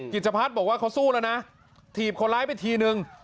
กิจพัฒน์บอกว่าเขาสู้แล้วนะถีบคนร้ายไปทีนึง